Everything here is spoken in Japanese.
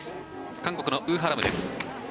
韓国のウ・ハラムです。